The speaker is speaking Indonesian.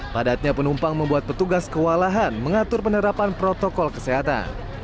padatnya penumpang membuat petugas kewalahan mengatur penerapan protokol kesehatan